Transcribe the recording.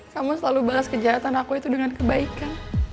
kamu selalu balas kejahatan aku itu dengan kebaikan